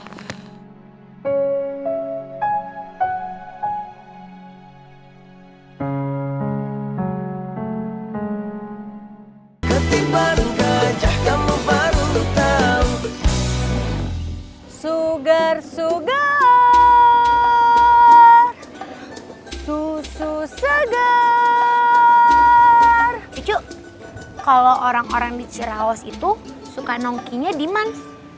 cucu kalau orang orang di ciraos itu suka nongkinya diman